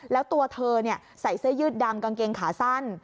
แล้วตัวเธอใส่เสื้อยืดดำกางเกงขาสั้น